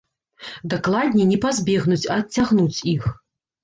Дакладней, не пазбегнуць, а адцягнуць іх.